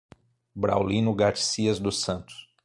Braulino Garcias dos Santos